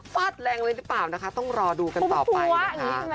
ฟาดแรงเลยหรือเปล่านะคะต้องรอดูกันต่อไปนะคะ